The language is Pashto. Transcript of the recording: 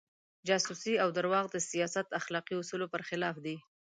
جاسوسي او درواغ د سیاست اخلاقي اصولو پر خلاف دي.